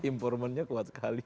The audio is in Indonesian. informannya kuat sekali